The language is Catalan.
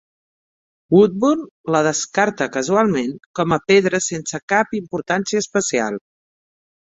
Woodburn la descarta casualment com a pedra sense cap importància especial.